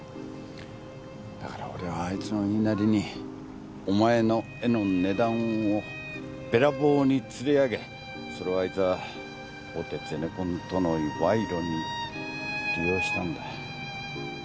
だから俺はあいつの言いなりにお前の絵の値段をべらぼうに吊り上げそれをあいつは大手ゼネコンとの賄賂に利用したんだ。